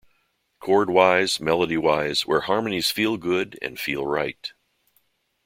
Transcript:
Chord-wise, melody-wise, where harmonies feel good and feel right.